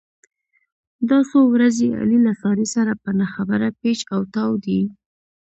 دا څو ورځې علي له سارې سره په نه خبره پېچ او تاو دی.